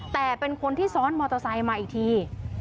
แต่เป็นคนที่ซ้อนมอเตอร์ไซค์มาอีกที